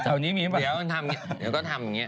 เดี๋ยวก็ทำอย่างนี้